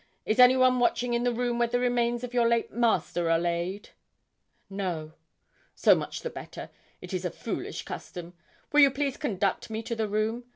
Is anyone watching in the room where the remains of your late master are laid?' 'No.' 'So much the better; it is a foolish custom. Will you please conduct me to the room?